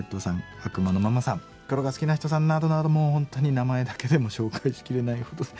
悪魔のママさんが好きな人さんなどなどもう本当に名前だけでも紹介しきれないほど。